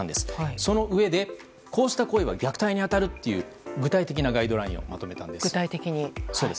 そのうえで、こうした行為は虐待に当たるという具体的なガイドラインをまとめたんです。